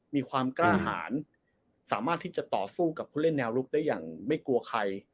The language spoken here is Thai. มีความกล้าหารสามารถที่จะต่อสู้กับผู้เล่นแนวลุกได้อย่างไม่กลัวใคร